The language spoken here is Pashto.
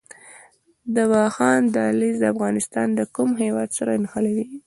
د واخان دهلیز افغانستان له کوم هیواد سره نښلوي؟